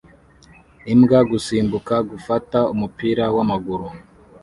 Imbwa gusimbuka gufata umupira wamaguru